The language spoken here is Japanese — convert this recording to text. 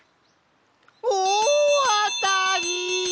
おおあたり！